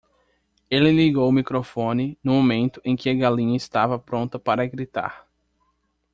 Ele ligou o microfone no momento em que a galinha estava pronta para gritar.